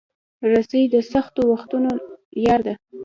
رسۍ د سختو وختونو یار ده.